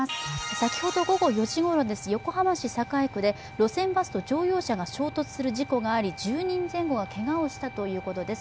先ほど午後４時頃、横浜栄区で路線バスと乗用車が衝突する事故があり１０人前後がけがをしたということです。